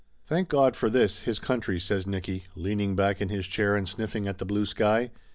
"Thank God for this, his country!" says Nicky, leaning back in his chair and sniffing at the blue sky.